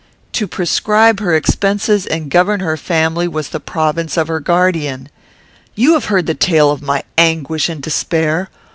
To prescribe her expenses and govern her family was the province of her guardian. "You have heard the tale of my anguish and despair.